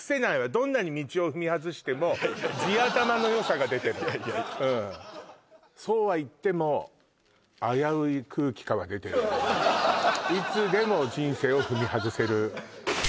どんなに道を踏み外してもいやいや地頭のよさが出てるそうはいってもいつでも人生を踏み外せる